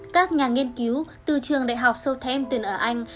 các nhà nghiên cứu từ trường đại học southampton ở anh